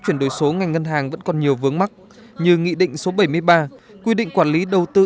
chuyển đổi số ngành ngân hàng vẫn còn nhiều vướng mắt như nghị định số bảy mươi ba quy định quản lý đầu tư